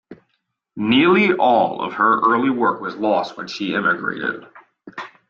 Nearly all of her early work was lost when she immigrated.